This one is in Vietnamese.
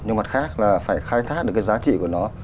nhưng mặt khác là phải khai thác được cái giá trị của nó